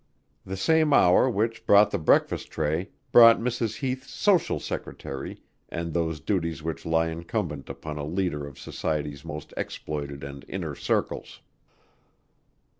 The same hour which brought the breakfast tray brought Mrs. Heath's social secretary and those duties which lie incumbent upon a leader of society's most exploited and inner circles.